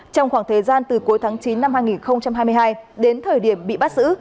trong khoảng thời gian từ cuối tháng chín năm hai nghìn hai mươi hai đến thời điểm bị bắt giữ